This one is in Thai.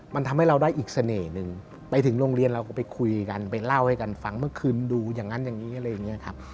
มันทำให้เราได้อีกเสน่ห์หนึ่งไปถึงโรงเรียนเราก็ไปคุยกันไปเล่าให้กันฟังเมื่อคืนดูอย่างนั้นอย่างนี้อะไรอย่างนี้ครับ